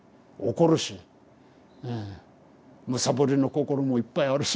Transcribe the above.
むさぼりの心もいっぱいあるし。